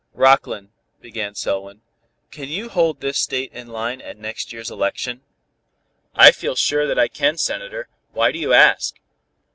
"Rockland," began Selwyn, "can you hold this state in line at next year's election?" "I feel sure that I can, Senator, why do you ask?"